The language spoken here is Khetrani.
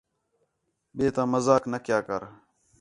ٻئے تامذاق نہ کَیا کر